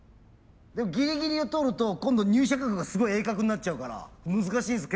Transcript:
でもギリギリを通ると今度入射角がすごい鋭角になっちゃうから難しいです。